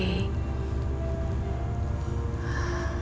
nampaknya aku gak tahu kalau ada aku